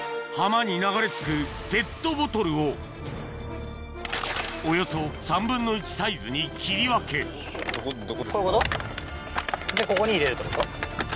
浜に流れ着くペットボトルをおよそ３分の１サイズに切り分けこういうこと？